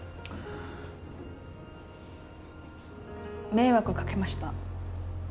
迷惑かけました。